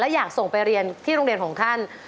อยากส่งไปเรียนที่โรงเรียนของท่าน